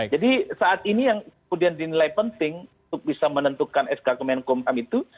jadi saat ini yang kemudian dinilai penting untuk bisa menentukan sk kemenkumham itu